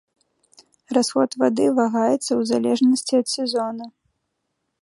Расход вады вагаецца ў залежнасці ад сезона.